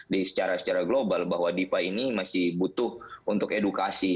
di secara global bahwa depa ini masih butuh untuk edukasi